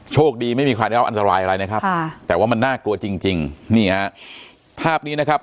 โชคดีไม่มีใครได้เล่าอันตรายอะไรนะครับ